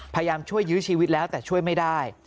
พยายามช่วยยื้อชีวิตแล้วแต่ช่วยไม่ได้